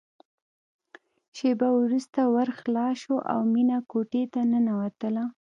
شېبه وروسته ور خلاص شو او مينه کوټې ته ننوتله